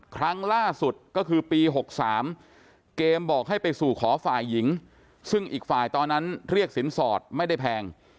ครั้งล่าสุดก็คือปี๖๓เกมบอกให้ไปสู่ขอฝ่ายหญิงซึ่งอีกฝ่ายตอนนั้นเรียกสินสอดไม่ได้แพง